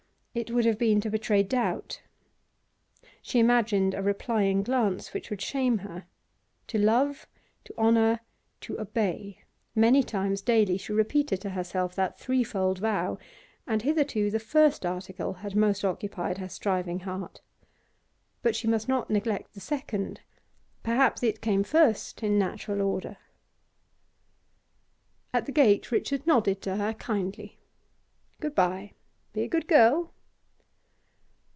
It would have been to betray doubt; she imagined a replying glance which would shame her. To love, to honour, to obey: many times daily she repeated to herself that threefold vow, and hitherto the first article had most occupied her striving heart. But she must not neglect the second; perhaps it came first in natural order. At the gate Richard nodded to her kindly. 'Good bye. Be a good girl.